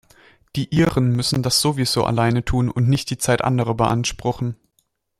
Die Iren müssen das sowieso alleine tun und nicht die Zeit anderer beanspruchen.